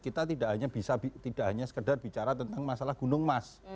kita tidak hanya bisa tidak hanya sekedar bicara tentang masalah gunung mas